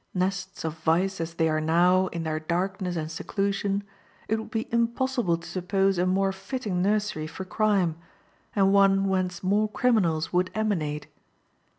Nests of vice as they are now in their darkness and seclusion, it would be impossible to suppose a more fitting nursery for crime, or one whence more criminals would emanate.